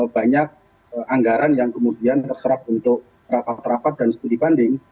banyak anggaran yang kemudian terserap untuk rapat rapat dan studi banding